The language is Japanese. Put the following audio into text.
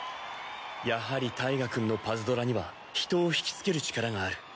やはりタイガくんのパズドラには人をひきつける力がある。